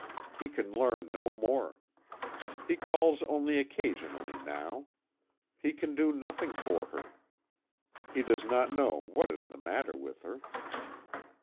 He can learn no more. He calls only occasionally now. He can do nothing for her. He does not know what is the matter with her.